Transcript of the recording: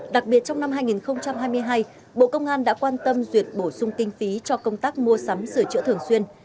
đặc biệt trong năm hai nghìn hai mươi hai bộ công an đã quan tâm duyệt bổ sung kinh phí cho công tác mua sắm sửa chữa thường xuyên